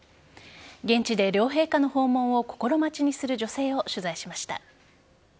現地で両陛下の訪問を心待ちにする女性を取材しました。